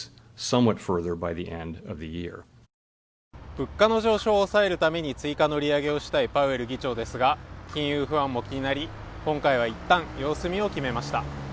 物価の上昇を抑えるために追加の利上げをしたいパウエル議長ですが、金融不安も気になり、今回は一旦様子見を決めました。